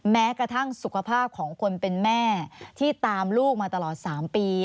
แม้กระทั่งสุขภาพของคนเป็นแม่ที่ตามลูกมาตลอด๓ปี